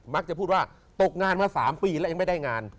พูดว่าตกงานมา๓ปีแล้วยังไม่ได้งาน